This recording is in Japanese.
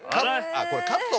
これ。